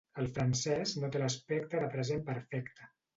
El francès no té l'aspecte de present perfecte.